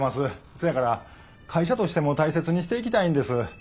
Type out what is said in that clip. そやから会社としても大切にしていきたいんです。